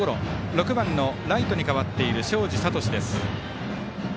６番のライトに変わっている東海林智です。